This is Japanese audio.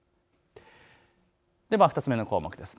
では２つ目の項目です。